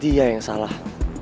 dia yang salah